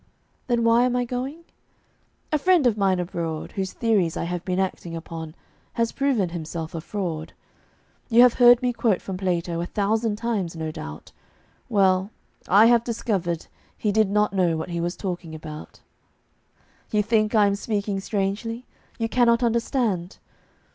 Then why am I going? A friend of mine abroad, Whose theories I have been acting upon, Has proven himself a fraud. You have heard me quote from Plato A thousand times no doubt; Well, I have discovered he did not know What he was talking about. You think I am speaking strangely? You cannot understand?